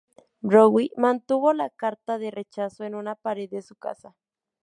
Bowie mantuvo la carta de rechazo en una pared de su casa.